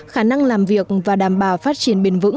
khả năng làm việc và đảm bảo phát triển bền vững